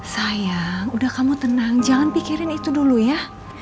sayang udah kamu tenang jangan pikirin itu dulu ya